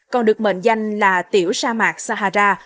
còn được mệnh danh là tiểu sa mạc sahara